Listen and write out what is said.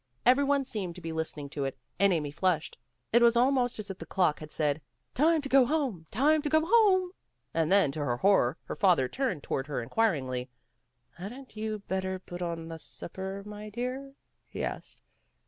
Every one seemed to be listening to it, and Amy flushed. It was almost as if the clock had said, "Time to go home! Time to go home!" And then to her horror her father turned toward her inquiringly. "Hadn't you better put on the supper, my dear?" he asked.